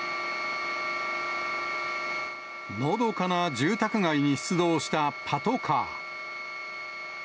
のどかな住宅街に出動したパトカー。